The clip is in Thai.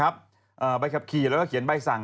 ใบขับขี่แล้วก็เขียนใบสั่ง